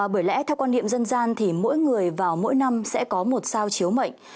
bởi lẽ theo quan niệm dân gian thì mỗi người vào mỗi năm sẽ có một sao chiếu mệnh